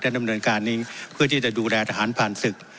ดำเนินการนี้เพื่อที่จะดูแลทหารผ่านศึก